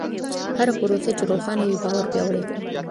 هره پروسه چې روښانه وي، باور پیاوړی کوي.